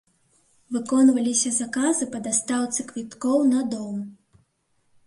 Выконваліся заказы па дастаўцы квіткоў на дом.